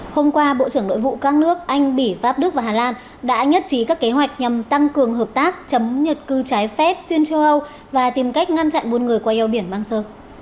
hôm qua bộ trưởng nội vụ các nước anh bỉ pháp đức và hà lan đã nhất trí các kế hoạch nhằm tăng cường hợp tác chấm nhật cư trái phép xuyên châu âu và tìm cách ngăn chặn buôn người qua eo biển mang sơ